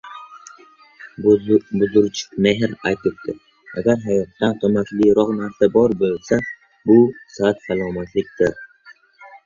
Buzurjmehr aytibdi: “Agar hayotdan qimmatliroq narsa bor bo‘lsa, bu — sihat-salomatlikdir;